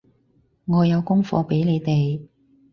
我有功課畀你哋